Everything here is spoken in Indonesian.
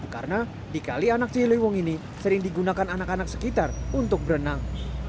karena di kali anak ciliwung ini sering digunakan anak anak sekitar untuk berenang